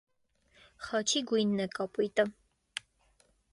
Դ. Խաչի գույնն է կապույտը։